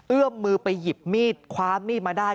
เอื้อมมือไปหยิบมีดคว้ามีดมาได้